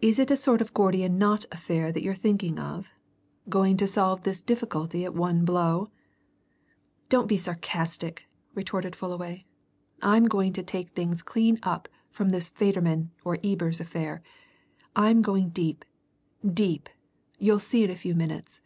Is it a sort of Gordian knot affair that you're thinking of? Going to solve this difficulty at one blow?" "Don't be sarcastic," retorted Fullaway. "I'm going to take things clean up from this Federman or Ebers affair. I'm going deep deep! You'll see in a few minutes."